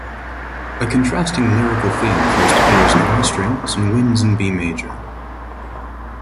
A contrasting lyrical theme first appears in high strings and winds in B major.